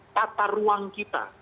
patah ruang kita